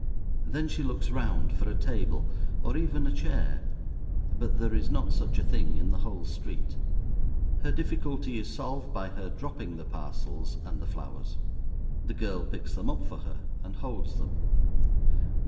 Then she looks round for a table or even a chair, but there is not such a thing in the whole street. Her difficulty is solved by her dropping the parcels and the flowers. The girl picks them up for her and holds them.